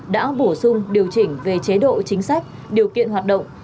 đã bổ sung điều chỉnh về chế độ chính sách điều kiện hoạt động